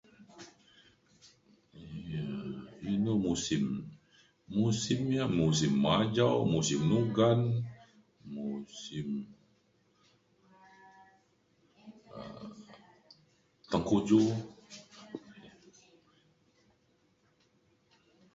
um inu musim musim ya musim majau musin nugan musim um tengkujuh